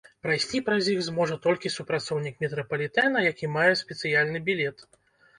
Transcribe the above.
Прайсці праз іх зможа толькі супрацоўнік метрапалітэна, які мае спецыяльны білет.